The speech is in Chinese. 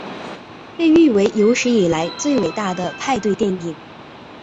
被誉为有史以来最伟大的派对电影。